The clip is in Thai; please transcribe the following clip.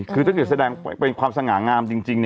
คือถ้าเกิดแสดงเป็นความสง่างามจริง